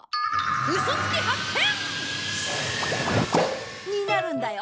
ウソつき発見！になるんだよ。